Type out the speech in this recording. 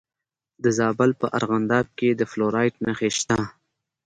د زابل په ارغنداب کې د فلورایټ نښې شته.